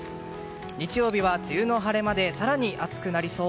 日曜日は梅雨の晴れ間で更に暑くなりそう。